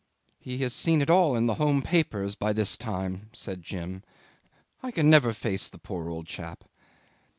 "He has seen it all in the home papers by this time," said Jim. "I can never face the poor old chap."